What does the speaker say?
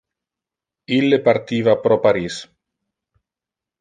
Ille partiva pro Paris.